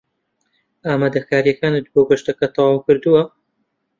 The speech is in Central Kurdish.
ئامادەکارییەکانت بۆ گەشتەکە تەواو کردووە؟